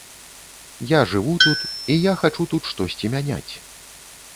Я жыву тут і я хачу тут штосьці мяняць.